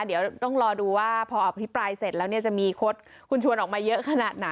เดี๋ยวต้องรอดูว่าพออภิปรายเสร็จแล้วเนี่ยจะมีคดคุณชวนออกมาเยอะขนาดไหน